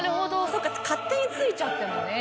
そっか勝手についちゃってもね。